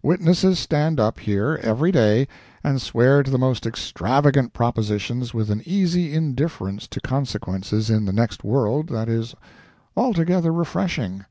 Witnesses stand up here, every day, and swear to the most extravagant propositions with an easy indifference to consequences in the next world that is altogether refreshing.